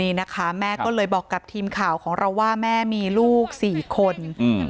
นี่นะคะแม่ก็เลยบอกกับทีมข่าวของเราว่าแม่มีลูกสี่คนอืม